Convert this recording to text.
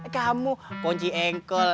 kamu ponci engkol